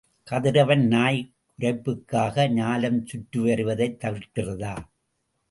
கதிரவன் நாய் குரைப்புக்காக ஞாலம் சுற்றி வருவதைத் தவிர்க்கிறதா?